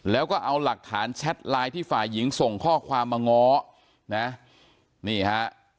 แล้วก็เอาหลักฐานแชทไลน์ที่ฝ่ายหญิงส่งข้อความมาง้อนะนี่ฮะ